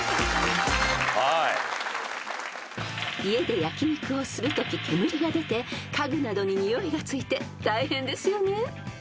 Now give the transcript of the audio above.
［家で焼き肉をするとき煙が出て家具などににおいがついて大変ですよね］